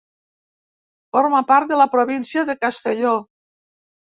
Forma part de la província de Castelló.